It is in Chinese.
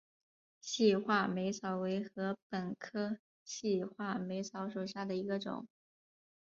细画眉草为禾本科细画眉草属下的一个种。